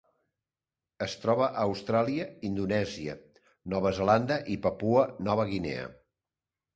Es troba a Austràlia, Indonèsia, Nova Zelanda i Papua Nova Guinea.